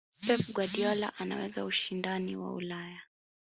pep guardiola anaweza ushindani wa ulaya